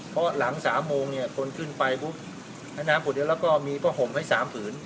เพราะหลังสามโมงเนี้ยคนขึ้นไปปุ๊บน้ำขวดเดี๋ยวแล้วก็มีว่าห่มให้สามผืน